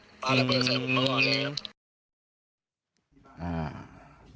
ปลาระเบิดใส่ผมมาก่อนเลยครับ